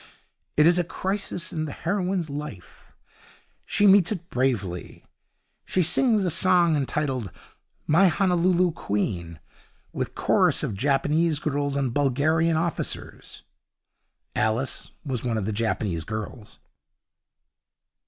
It is a crisis in the heroine's life. She meets it bravely. She sings a song entitled 'My Honolulu Queen', with chorus of Japanese girls and Bulgarian officers. Alice was one of the Japanese girls.